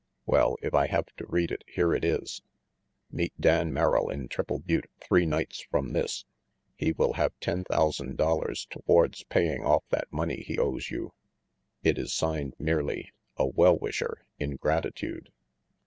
Well, if I have to read it, here it is 'Meet Dan Merrill in Triple Butte three nights from this. He will have ten thousand dollars towards paying off that money he owes you.' It is signed merely 'A well wisher, in gratitude'."